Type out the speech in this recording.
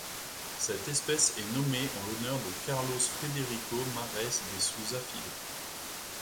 Cette espèce est nommée en l'honneur de Carlos Frederico Marés de Souza Filho.